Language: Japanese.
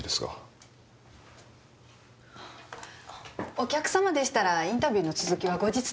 お客様でしたらインタビューの続きは後日という事で。